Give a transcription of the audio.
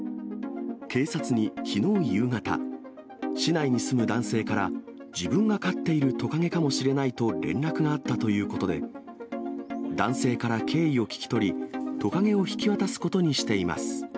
警察にきのう夕方、市内に住む男性から、自分が飼っているトカゲかもしれないと連絡があったということで、男性から経緯を聞き取り、トカゲを引き渡すことにしています。